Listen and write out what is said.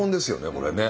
これね。